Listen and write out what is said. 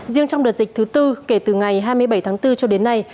riêng trong đợt dịch thứ tư kể từ ngày hai mươi bảy tháng bốn cho đến nay